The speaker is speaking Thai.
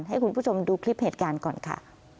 ให้คุณผู้ชมดูคลิปเหตุการณ์ก่อนค่ะ